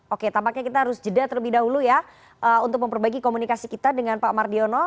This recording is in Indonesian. oke tampaknya kita harus jeda terlebih dahulu ya untuk memperbaiki komunikasi kita dengan pak mardiono